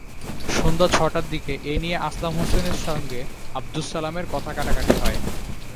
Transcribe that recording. সন্ধ্যা ছয়টার দিকে এ নিয়ে আসলাম হোসেনের সঙ্গে আবদুস সালামের কথাকাটাকাটি হয়।